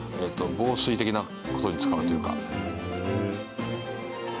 防水的な事に使うというか。